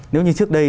nếu như trước đây